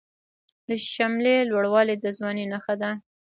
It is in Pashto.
د شملې لوړوالی د ځوانۍ نښه ده.